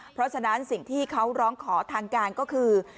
เพราะฉะนั้นสิ่งที่เขาร้องขอทางการก็คือ